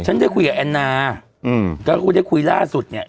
ฉันได้คุยกับแอนนาอืมก็คือได้คุยล่าสุดเนี่ย